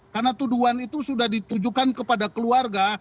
karena tuduhan itu sudah ditujukan kepada keluarga